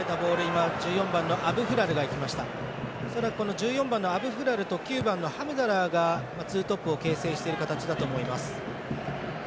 １４番のアブフラルと９番のハムダラーがツートップを形成している形だと思います。